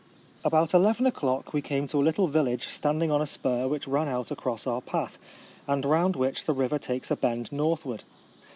About eleven o'clock we came to a little village standing on a spur which ran out across our path, and round which the river takes a bend northward.